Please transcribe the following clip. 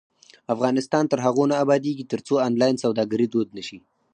افغانستان تر هغو نه ابادیږي، ترڅو آنلاین سوداګري دود نشي.